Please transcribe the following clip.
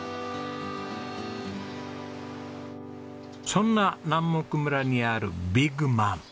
そんな南牧村にあるビッグマム。